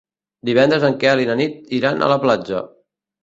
Divendres en Quel i na Nit iran a la platja.